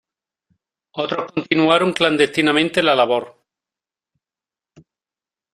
Otros continuaron clandestinamente la labor.